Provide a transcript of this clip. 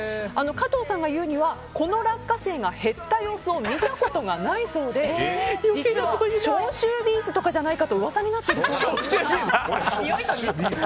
加藤さんが言うにはこのラッカセイが減った様子を見たことがないそうで実は消臭ビーズとかじゃないかと噂になっているそうなんです。